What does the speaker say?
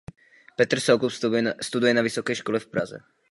Petr Soukup studuje na vysoké škole v Praze.